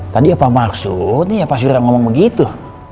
tadi apa maksudnya ya pasir ngomong begitu